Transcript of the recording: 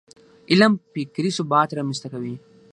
علم فکري ثبات رامنځته کوي.